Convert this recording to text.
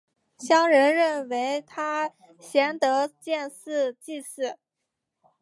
乡人认为他贤德建祠祭祀。